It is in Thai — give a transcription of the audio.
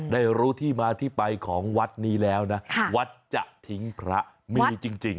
ได้รู้ที่มาที่ไปของวัดนี้แล้วนะวัดจะทิ้งพระมีจริง